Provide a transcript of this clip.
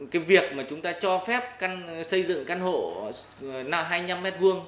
cái việc mà chúng ta cho phép xây dựng căn hộ là hai mươi năm m hai